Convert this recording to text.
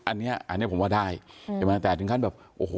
อันเนี้ยอันเนี้ยผมว่าได้อืมแต่มันแต่ถึงขั้นแบบโอ้โห